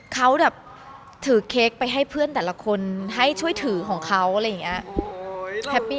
เขาแบบถือเค้กไปให้เพื่อนแต่ละคนให้ช่วยถือของเขาอะไรอย่างนี้